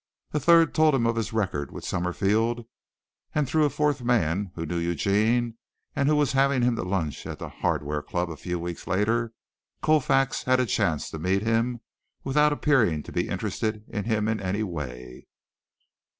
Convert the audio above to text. A third told him of his record with Summerfield, and through a fourth man who knew Eugene, and who was having him to lunch at the Hardware Club a few weeks later, Colfax had a chance to meet him without appearing to be interested in him in any way.